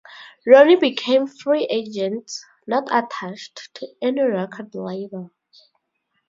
Rooney became free agents, not attached to any record label.